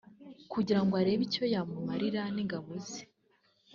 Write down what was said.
kugira ngo arebe icyo yamuramira n’ingabo ze